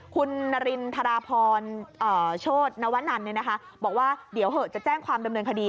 คุณนารินทราพรโชธนวนันบอกว่าเดี๋ยวเหอะจะแจ้งความดำเนินคดี